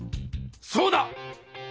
そうだ！